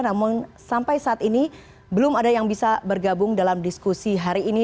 namun sampai saat ini belum ada yang bisa bergabung dalam diskusi hari ini